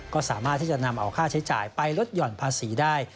ก็สามารถที่จะนำเอาค่าใช้จ่ายไปลดหย่อนภาษีได้